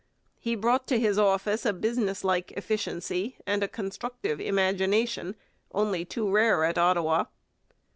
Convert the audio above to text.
He brought to his office a businesslike efficiency and a constructive imagination only too rare at Ottawa.